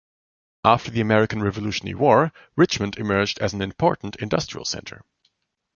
After the American Revolutionary War, Richmond emerged as an important industrial center.